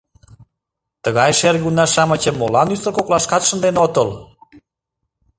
— Тыгай шерге уна-шамычым молан ӱстел коклашкат шынден отыл?